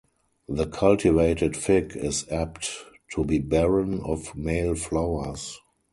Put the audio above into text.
The cultivated fig is apt to be barren of male flowers.